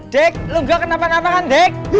dik lu gak kenapa nampakan dik